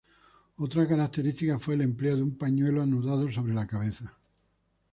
Otra característica fue el empleo de un pañuelo anudado sobre la cabeza.